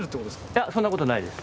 いやそんなことないです。